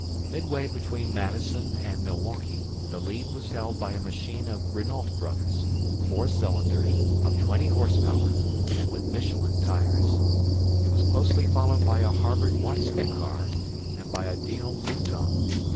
Midway between Madison and Milwaukee, the lead was held by a machine of Renault brothers, four cylindered, of twenty horsepower, and with Michelin tires. It was closely followed by a Harvard Watson car and by a Dion Bouton.